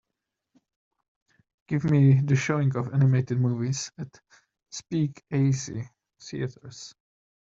Give me the showing of animated movies at Speakeasy Theaters